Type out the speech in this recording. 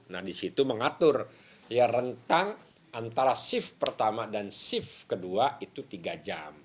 nah disitu mengatur rentang antara shift pertama dan shift kedua itu tiga jam